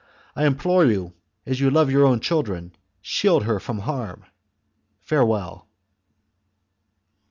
I implore you, as you love your own chil dren, shield her from harm. Farewell."